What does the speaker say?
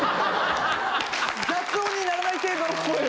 雑音にならない程度の声で。